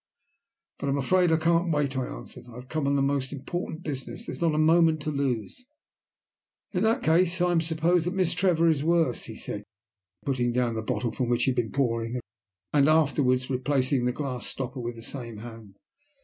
"But I am afraid I can't wait," I answered. "I have come on the most important business. There is not a moment to lose." "In that case I am to suppose that Miss Trevor is worse," he said, putting down the bottle from which he had been pouring, and afterwards replacing the glass stopper with the same hand.